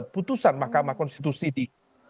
putusan mahkamah konstitusi di dua ribu sembilan belas